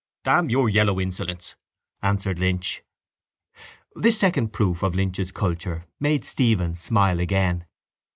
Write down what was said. —Damn your yellow insolence, answered Lynch. This second proof of Lynch's culture made Stephen smile again.